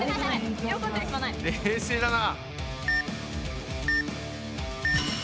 冷静だな。